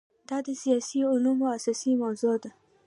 دا د سیاسي علومو اساسي موضوع ده.